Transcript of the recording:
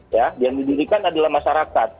yang dirugikan adalah masyarakat